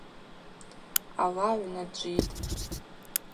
Ала гӏвнаджвитӏ.